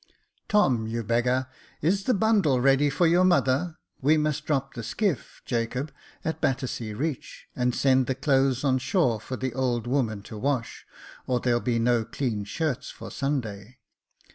Tom, you beggar, is the bundle ready for your mother ? We must drop the skiff, Jacob, at Battersea Reach, and send the clothes on shore for the old woman to wash, or there'll be no clean shirts for Sunday.